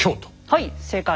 はい正解。